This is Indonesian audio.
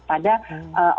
pada orang lain